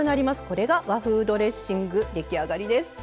これが和風ドレッシング出来上がりです。